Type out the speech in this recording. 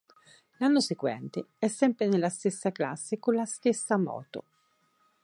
L'anno seguente è sempre nella stessa classe con la stessa moto.